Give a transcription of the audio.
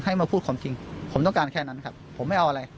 มาพูดความจริงผมต้องการแค่นั้นครับผมไม่เอาอะไร